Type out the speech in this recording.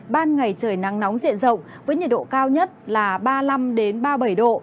ban ngày trời nắng nóng diện rộng với nhiệt độ cao nhất là ba mươi năm ba mươi bảy độ